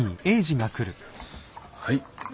はい。